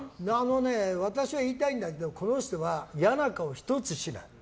私は言いたいんだけどこの人は嫌な顔一つしない。